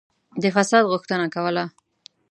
د فساد غوښتنه کوله.